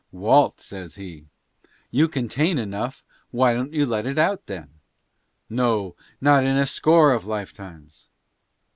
"Walt," says he, "you contain enough, why don't you let it out then?" No, not in a score of lifetimes!